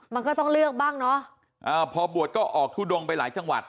มันก็ต้องเลือกบ้างเนอะอ่าพอบวชก็ออกทุดงไปหลายจังหวัด